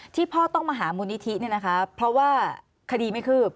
พ่อต้องมาหามูลนิธิเนี่ยนะคะเพราะว่าคดีไม่คืบ